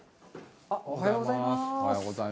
おはようございます。